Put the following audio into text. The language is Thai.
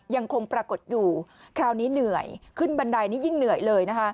ยังคงปรากฏอยู่คราวนี้เหนื่อยขึ้นบันไดนี่ยิ่งเหนื่อยเลยนะคะ